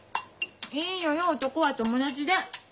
いいのよ男は友達で。